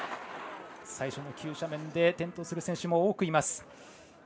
最初の急斜面で転倒する選手も多くいます。